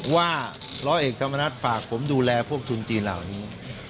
ว่าร้อยเอกธรรมนัฐฝากผมดูแลพวกทุนจีนเหล่านี้